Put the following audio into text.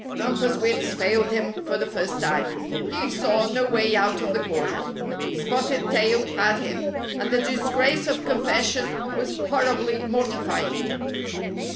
Bumper's wits failed him for the first time. He saw no way out of the corner. Spotted Tail had him, and the disgrace of confession was hor ribly mortifying.